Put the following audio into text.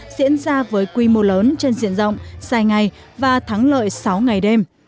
diễn ra với quy mô lớn trên diện rộng dài ngày và thắng lợi sáu ngày đêm